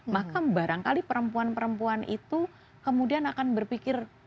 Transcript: maka barangkali perempuan perempuan itu kemudian akan berpikir